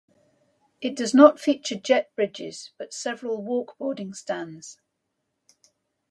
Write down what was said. It does not feature jet bridges but several walk-boarding stands.